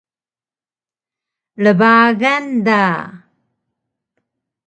Rbagan da!